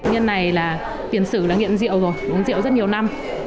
bệnh nhân này tiền sử đã nghiện rượu rồi uống rượu rất nhiều năm